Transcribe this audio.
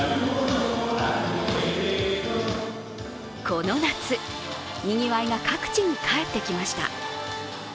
この夏、にぎわいが各地に帰ってきました。